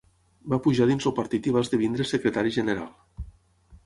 Va pujar dins el partit i va esdevenir secretari general.